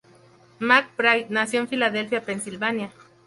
McBride nació en Filadelfia, Pensilvania.